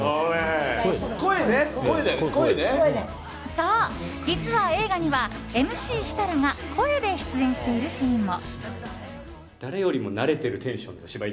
そう、実は映画にはＭＣ設楽が声で出演しているシーンも。